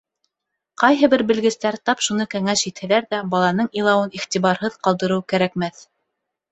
Ҡайһы бер белгестәр тап шуны кәңәш итһәләр ҙә, баланың илауын иғтибарһыҙ ҡалдырыу кәрәкмәҫ.